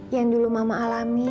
yang dulu mama alami